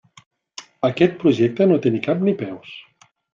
Aquest projecte no té ni cap ni peus.